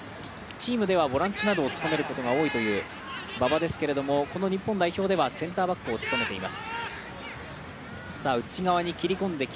チームではボランチなどを務めることが多いという馬場ですけれども、この日本代表ではセンターバックを務めています。